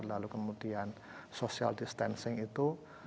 lalu kemudian social distancing itu